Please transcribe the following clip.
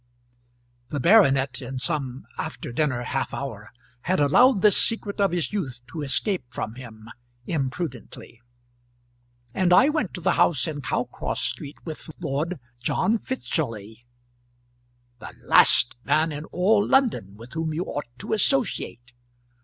The baronet in some after dinner half hour had allowed this secret of his youth to escape from him, imprudently. "And I went to the house in Cowcross Street with Lord John Fitzjoly." "The last man in all London with whom you ought to associate!